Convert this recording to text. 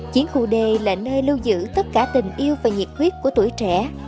chiến khu d là nơi lưu giữ tất cả tình yêu và nhiệt huyết của tuổi trẻ